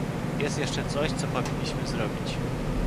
Jest jeszcze coś, co powinniśmy zrobić